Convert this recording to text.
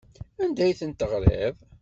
Anda ay ten-teɣriḍ?